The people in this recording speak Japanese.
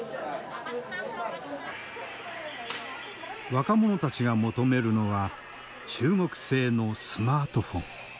若者たちが求めるのは中国製のスマートフォン。